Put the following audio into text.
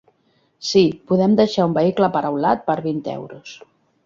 Sí, podem deixar un vehicle aparaulat per vint euros.